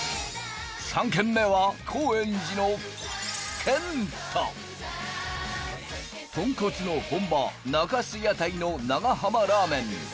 ３軒目は高円寺の健太豚骨の本場中洲屋台の長浜ラーメン